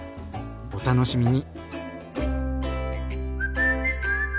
お楽しみに！